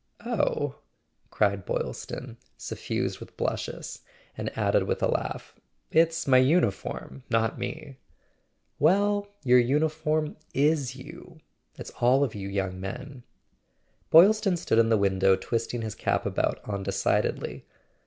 "Oh " cried Boylston, suffused with blushes; and added with a laugh: "It's my uniform, not me." "Well, your uniform is you—it's all of you young men." Boylston stood in the window twisting his cap about undecidedly.